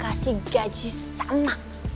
kasih gaji sama